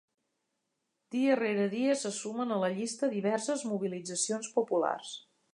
Dia rere dia se sumen a la llista diverses mobilitzacions populars.